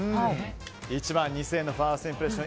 １万２０００円のファーストインプレッション。